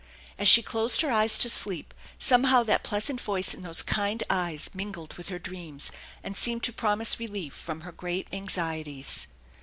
As she closed her eyes to sleep, somehow that pleasant voice and those kind eyes mingled with her dreams, and seemed to promise relief from her great anxieties.